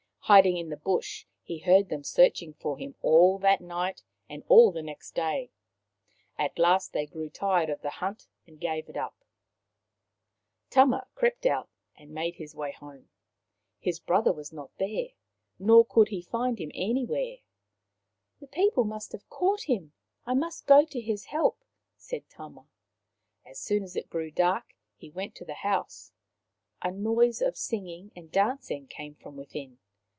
Hiding in the bush, he heard them searching for him all that night and all next day. At last they grew tired of the hunt and gave it up. Tama and His Brother 193 Tama crept out and made his way home. His brother was not there, nor could he find him any where. " The people must have caught him. I must go to his help," said Tama. As soon as it grew dark he went to the house. A noise of singing and dancing came from within.